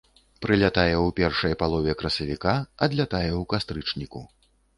Прылятае ў першай палове красавіка, адлятае ў кастрычніку.